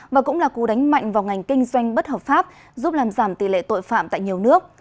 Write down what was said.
và cũng là cú đánh mạnh vào ngành kinh doanh bất hợp pháp giúp làm giảm tỷ lệ tội phạm tại nhiều nước